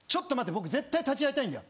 僕絶対立ち合いたいんだよ。